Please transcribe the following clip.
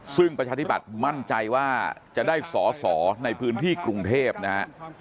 ซึ่งประชาธิบัติมั่นใจว่าจะได้สอสอในพื้นที่กรุงเทพนะฮะ